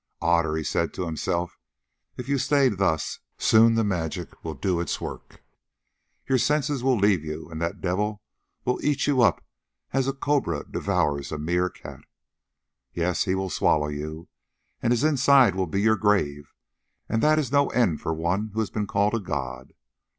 "Otter," he said to himself, "if you stay thus, soon the magic will do its work. Your sense will leave you, and that devil will eat you up as a cobra devours a meer cat. Yes, he will swallow you, and his inside will be your grave, and that is no end for one who has been called a god!